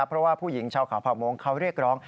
เพราะว่าผู้หญิงชาวเขาเผ่ามงเขาเรียกร้อง